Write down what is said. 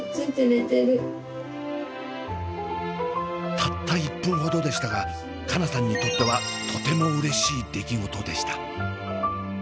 たった１分ほどでしたが佳奈さんにとってはとてもうれしい出来事でした。